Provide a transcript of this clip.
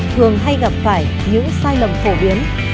thường hay gặp phải những sai lầm phổ biến